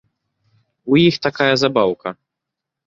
У іх такая забаўка.